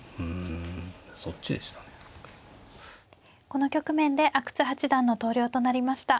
この局面で阿久津八段の投了となりました。